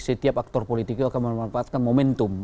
setiap aktor politik itu akan memanfaatkan momentum